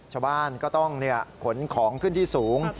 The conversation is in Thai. ชาวบ้านก็ต้องขนของขึ้นที่สูง